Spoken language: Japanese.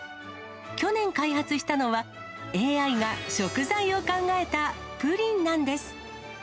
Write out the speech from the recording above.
去年開発したのは、ＡＩが食材を考えたプリンなんです。